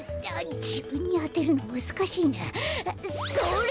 じぶんにあてるのむずかしいな。